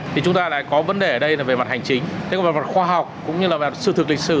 thì chúng ta lại có vấn đề ở đây là về mặt hành chính thế còn về mặt khoa học cũng như là về sự thực lịch sử